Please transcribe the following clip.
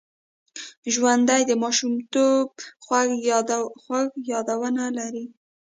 ژوندي د ماشومتوب خوږ یادونه لري